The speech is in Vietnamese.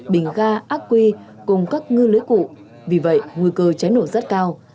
bình ga ác quy cùng các ngư lưới cụ vì vậy nguy cơ cháy nổ rất cao